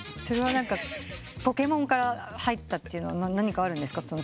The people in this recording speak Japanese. それはポケモンから入ったというのは何かあるんですか？